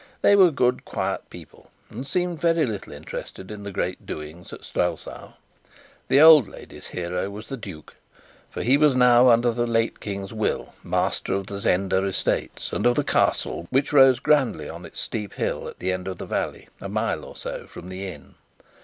They were good, quiet people, and seemed very little interested in the great doings at Strelsau. The old lady's hero was the duke, for he was now, under the late King's will, master of the Zenda estates and of the Castle, which rose grandly on its steep hill at the end of the valley a mile or so from the inn.